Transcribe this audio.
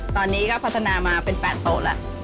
ตอนนี้ก็พัฒนามาเป็น๘โต๊ะแล้ว